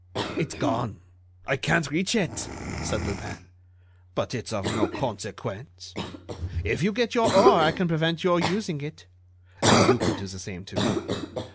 "It's gone! I can't reach it," said Lupin. "But it's of no consequence. If you get your oar I can prevent your using it. And you could do the same to me.